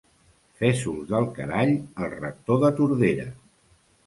Fesols del carall, el rector de Tordera.